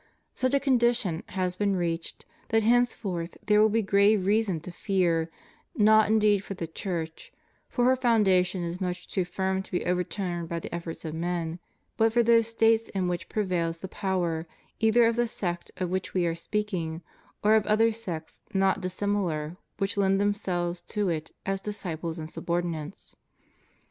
Such a condition has been reached that henceforth there will be grave reason to fear, not indeed for the Church — for her foundation is much too firm to be overturned by the effort of men — but for those States in which prevails the power, either of the sect of which we are speaking or of other sects not dissimilar which lend themselves to it as disciples and subordinates.